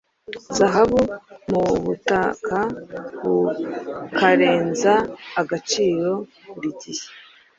zahabu mu butakabukarenza agaciro burigihe